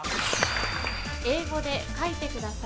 ［英語で書いてください］